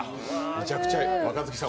めちゃくちゃ若槻さん